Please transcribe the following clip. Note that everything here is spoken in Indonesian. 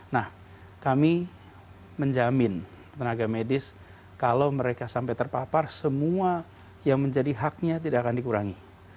nah kami menjamin tenaga medis kalau mereka sampai terpapar semua yang menjadi haknya tidak akan dikurangi